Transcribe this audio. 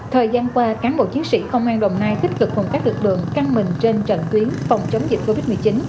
thời gian qua cán bộ chiến sĩ công an đồng nai tích cực cùng các lực lượng căng mình trên trận tuyến phòng chống dịch covid một mươi chín